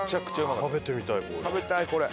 食べてみたいこれ。